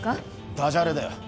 ダジャレだよ